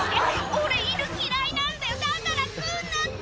「俺犬嫌いなんだよだから来んなって！」